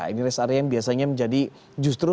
ini rest area yang biasanya menjadi justru